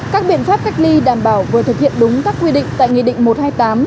các biện pháp cách ly đảm bảo vừa thực hiện đúng các quy định tại nghị định một trăm hai mươi tám